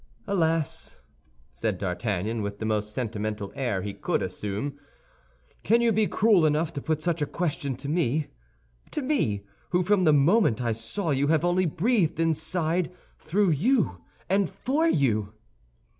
"Alas!" said D'Artagnan, with the most sentimental air he could assume, "can you be cruel enough to put such a question to me—to me, who, from the moment I saw you, have only breathed and sighed through you and for you?"